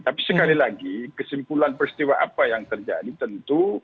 tapi sekali lagi kesimpulan peristiwa apa yang terjadi tentu